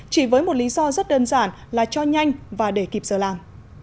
chỉ với một lý do rất đơn giản là cho nhanh và để kịp giờ làm